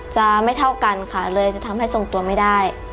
จะไม่เท่ากันค่ะเลยจะทำให้ทรงตัวไม่ได้